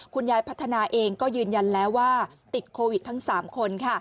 พัฒนาเองก็ยืนยันแล้วว่าติดโควิดทั้ง๓คน